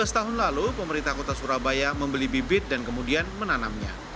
tujuh belas tahun lalu pemerintah kota surabaya membeli bibit dan kemudian menanamnya